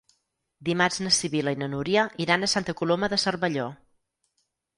Dimarts na Sibil·la i na Núria iran a Santa Coloma de Cervelló.